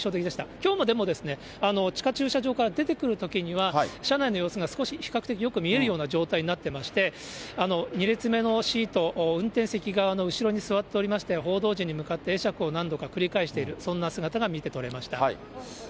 きょうもでも、地下駐車場から出てくるときには、車内の様子が少し、比較的よく見えるような状態になってまして、２列目のシート、運転席側の後ろに座っておりまして、報道陣に向かって会釈を何度か繰り返している、そんな姿が見て取れました。